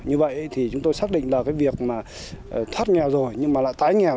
như vậy thì chúng tôi xác định là cái việc mà thoát nghèo rồi nhưng mà lại tái nghèo